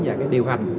và cái điều hành